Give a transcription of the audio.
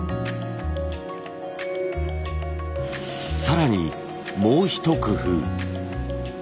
更にもう一工夫。